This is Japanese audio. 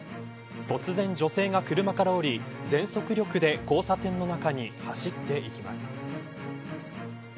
突然、女性が車から降り全速力で交差点の中に走っていきます。